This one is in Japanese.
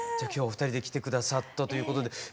今日お二人で来てくださったということで。